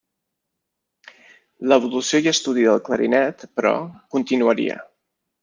L'evolució i estudi del clarinet, però, continuaria.